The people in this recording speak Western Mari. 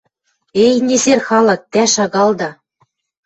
Эй, незер халык, тӓ шагалда